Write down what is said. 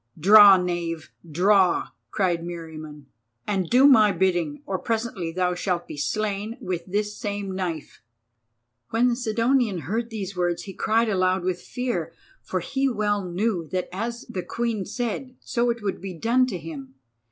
"Draw, knave, draw!" cried Meriamun, "and do my bidding, or presently thou shalt be slain with this same knife." When the Sidonian heard these words he cried aloud with fear, for he well knew that as the Queen said so it would be done to him.